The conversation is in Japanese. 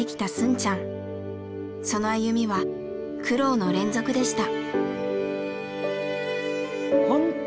その歩みは苦労の連続でした。